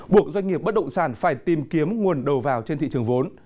buộc doanh nghiệp bất động sản phải tìm kiếm nguồn đầu vào trên thị trường vốn